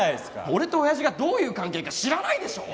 俺と親父がどういう関係か知らないでしょ？